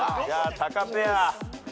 タカペア。